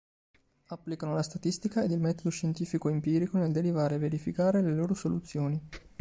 Applicano la statistica ed il metodo scientifico-empirico nel derivare e verificare le loro soluzioni.